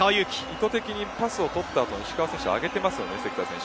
意図的にパスを取った後石川選手に上げてますよね。